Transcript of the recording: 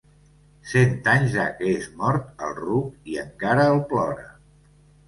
Cent anys ha que és mort el ruc i encara el plora.